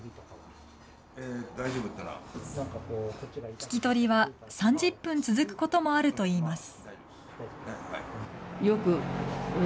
聞き取りは３０分続くこともあるといいます。